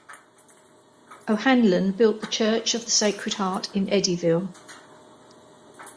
O'Hanlon built the Church of the Sacred Heart in Eddyville.